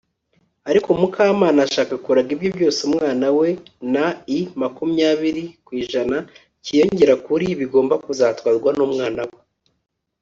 ariko mukamana ashaka kuraga ibye byose umwana we na i (makumyabiri kw'ijana) cyiyongera kuri bigomba kuzatwarwa n'umwana we